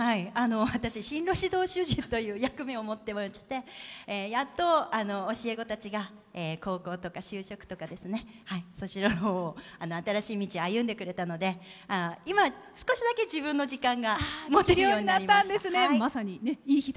私、進路指導という役目を持っていましてやっと、教え子たちが高校とか就職とかそちらの新しい道歩んでくれたので今、少しだけ自分の時間が持てるようになりました。